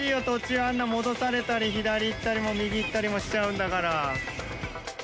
途中あんな戻されたり左行ったりも右行ったりもしちゃうんだから。